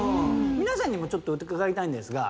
皆さんにもちょっと伺いたいんですが。